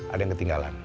ada yang ketinggalan